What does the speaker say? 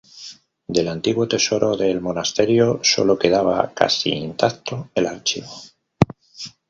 Del antiguo tesoro del monasterio, solo quedaba, casi intacto, el archivo.